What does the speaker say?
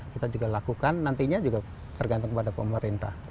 kita juga lakukan nantinya juga tergantung kepada pemerintah